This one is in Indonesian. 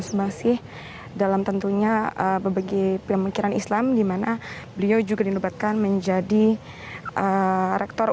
memang sih dalam tentunya bebagi pemikiran islam dimana beliau juga dilupakan menjadi rektor